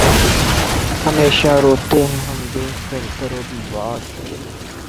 ہمیشہ روتے ہیں ہم دیکھ کر در و دیوار